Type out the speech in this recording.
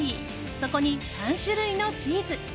そこに３種類のチーズ。